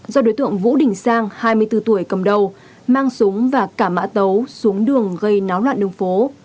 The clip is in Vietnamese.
do đối tượng vũ đình sang hai mươi bốn tuổi cầm đầu mang súng và cả mã tấu xuống đường gây náo loạn đường phố